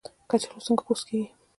کچالو څنګه پوست کیږي؟